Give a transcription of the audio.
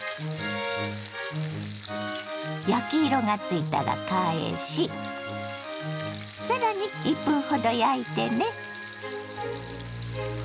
焼き色がついたら返しさらに１分ほど焼いてね。